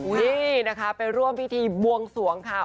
นี่นะคะไปร่วมพิธีบวงสวงค่ะ